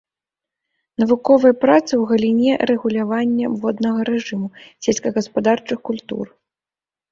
Навуковыя працы ў галіне рэгулявання воднага рэжыму сельскагаспадарчых культур.